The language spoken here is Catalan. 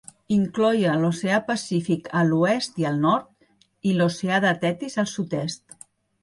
Incloïa l'oceà Pacífic a l'oest i al nord i l'oceà de Tetis al sud-est.